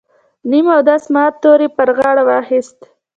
نیم اودس مات تور یې پر غاړه واخیست.